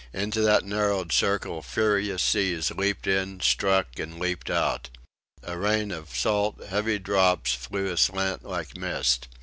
Into that narrowed circle furious seas leaped in, struck, and leaped out. A rain of salt heavy drops flew aslant like mist.